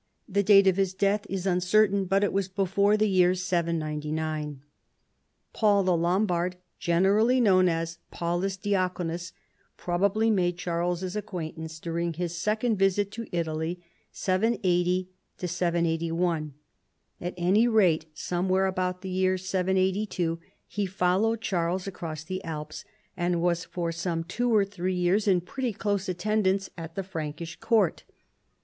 The date of his death is uncer tain, but it was before the year 799. Paul the Lombard, generally known as Paulus Diaconus, probably made Charles's acquaintance during his second visit to Italy (780 781). At any rate, somewhere about the year 782 he followed Charles across the Alps, and was for some two or three years in pretty close attendance at the Frankish court.